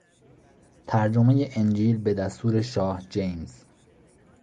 ترجمهی انجیل به دستور شاه جیمز